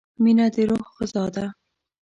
مینه د روح غذا ده.